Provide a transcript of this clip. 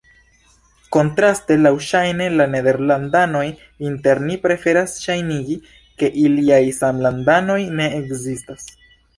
Kontraste, laŭŝajne, la nederlandanoj inter ni preferas ŝajnigi, ke iliaj samlandanoj ne ekzistas.